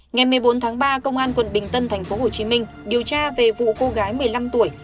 ngày một mươi bốn tháng ba công an quận bình tân tp hcm điều tra về vụ cô gái một mươi năm tuổi